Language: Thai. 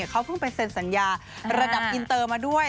เขาเพิ่งไปเซ็นสัญญาระดับอินเตอร์มาด้วย